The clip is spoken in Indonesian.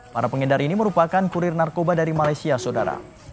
para pengedar ini merupakan kurir narkoba dari malaysia saudara